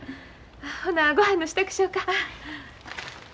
ほなごはんの支度しよか。